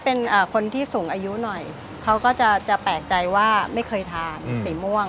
เป็นคนที่สูงอายุหน่อยเขาก็จะแปลกใจว่าไม่เคยทานสีม่วง